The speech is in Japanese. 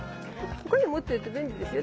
こういうの持ってると便利ですよ。